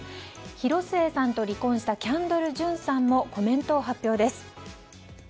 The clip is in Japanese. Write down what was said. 広末さんと離婚したキャンドル・ジュンさんのコメントを発表です。